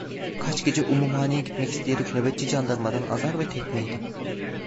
Kaç gece umumhaneye girmek isteyerek nöbetçi candarmadan azar ve tekme yedi.